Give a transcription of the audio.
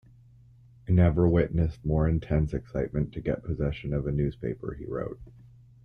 "I never witnessed more intense excitement to get possession of a newspaper," he wrote.